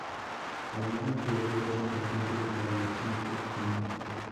La misma criatura es importante para la gente Komi.